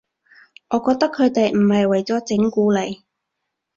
我覺得佢哋唔係為咗整蠱你